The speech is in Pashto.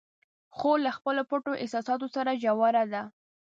خور له خپلو پټو احساساتو سره ژوره ده.